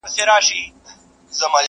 یو وصیت یې په حُجره کي وو لیکلی.!